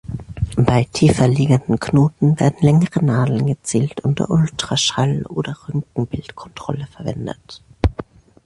Bei tiefer liegenden Knoten werden längere Nadeln gezielt unter Ultraschall- oder Röntgenbild-Kontrolle verwendet.